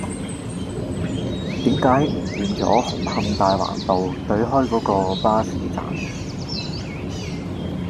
點解唔見左紅磡大環道對開嗰個巴士站